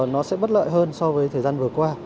nó sẽ bất lợi hơn so với thời gian vừa qua